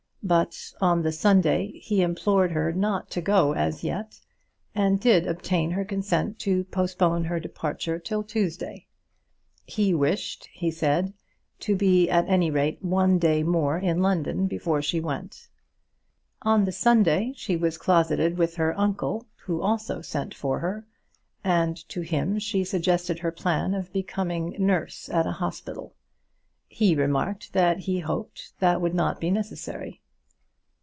But on the Sunday he implored her not to go as yet, and did obtain her consent to postpone her departure till Tuesday. He wished, he said, to be at any rate one day more in London before she went. On the Sunday she was closeted with her uncle who also sent for her, and to him she suggested her plan of becoming nurse at a hospital. He remarked that he hoped that would not be necessary.